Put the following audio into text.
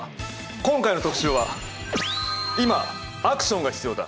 今回の特集は「今アクションが必要だ！